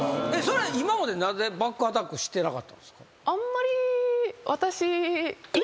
今までなぜバックアタックしてなかったんですか？